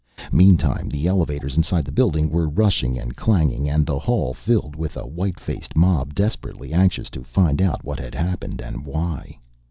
Meantime, the elevators inside the building were rushing and clanging, and the hall filled with a white faced mob, desperately anxious to find out what had happened and why.